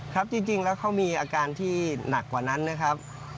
ครับจริงแล้วเขามีอาการที่หนักกว่านั้นนะครับ